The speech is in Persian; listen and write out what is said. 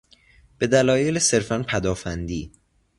به دلایل صرفا پدافندی